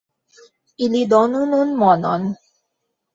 Ili donu nun monon.